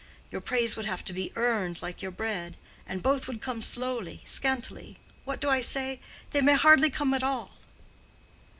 Your praise would have to be earned, like your bread; and both would come slowly, scantily—what do I say?—they may hardly come at all."